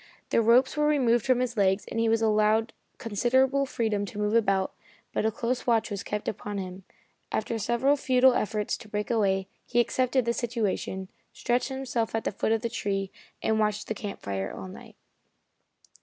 The ropes were removed from his legs, and he was allowed considerable freedom to move about, but a close watch was kept upon him. After several futile efforts to break away, he accepted the situation, stretched himself at the foot of the tree and watched the camp fire all night.